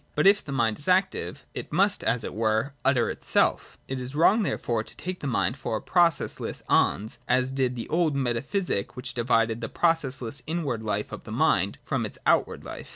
But if the mind is active it must as it were utter itself. It is wrong therefore to take the mind for a processless ens, as did the old meta physic which divided the processless inward life of the mind from its outward life.